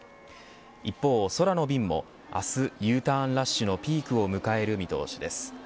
一方、空の便も明日、Ｕターンラッシュのピークを迎える見通しです。